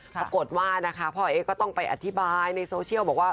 ปรากฏว่านะคะพ่อเอ๊ก็ต้องไปอธิบายในโซเชียลบอกว่า